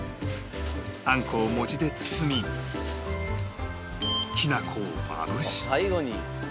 あんこを餅で包みきなこをまぶし